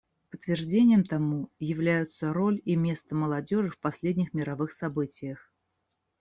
Подтверждением тому являются роль и место молодежи в последних мировых событиях.